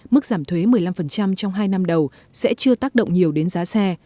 mức giảm thuế một mươi năm trong hai năm đầu sẽ chưa tác động nhiều đến giá xe